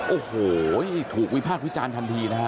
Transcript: โอ้โหถูกวิพากษ์วิจารณ์ทันทีนะฮะ